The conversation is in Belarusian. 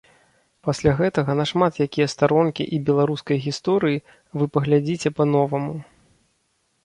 Пасля гэтага на шмат якія старонкі і беларускай гісторыі вы паглядзіце па-новаму.